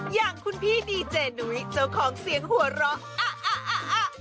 อย่างคุณพี่ดีเจนุ้ยเจ้าของเสียงหัวเราะ